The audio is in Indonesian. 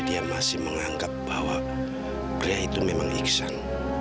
dia masih menganggap bahwa pria itu memang iksan